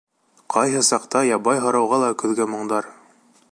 ...Ҡайһы саҡта, ябай һорауға ла Көҙгө моңдар